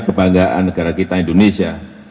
kebanggaan negara kita indonesia